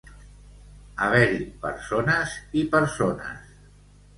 Haver-hi persones i persones.